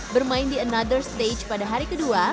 bermain di another stage pada hari kedua